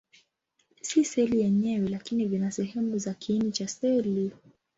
Si seli yenyewe, lakini vina sehemu za kiini cha seli.